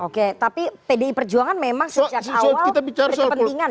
oke tapi pdi perjuangan memang sejak awal berkepentingan